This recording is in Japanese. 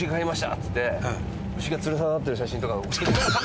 っつって牛がつり下がってる写真とか送ってくるんですよ。